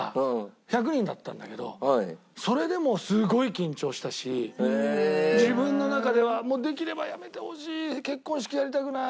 １００人だったんだけどそれでもすごい緊張したし自分の中では「できればやめてほしい」「結婚式やりたくない」。